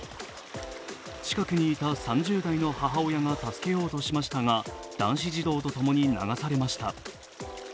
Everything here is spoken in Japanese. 近くにいた３０代の母親が助けようとしましたが男子児童とともに流されました。